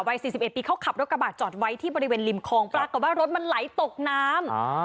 ๔๑ปีเขาขับรถกระบาดจอดไว้ที่บริเวณริมคลองปรากฏว่ารถมันไหลตกน้ำ